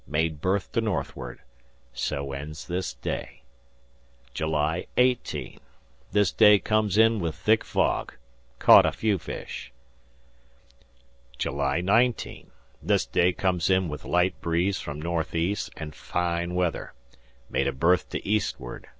Made berth to northward. So ends this day. "July 18. This day comes in with thick fog. Caught a few fish. "July 19. This day comes in with light breeze from N.E. and fine weather. Made a berth to eastward.